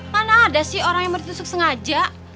mana ada sih orang yang bertusuk sengaja